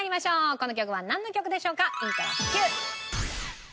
この曲はなんの曲でしょうか？